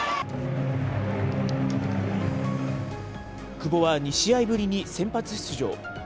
久保は２試合ぶりに先発出場。